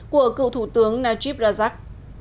của cựu thủ tướng najib razak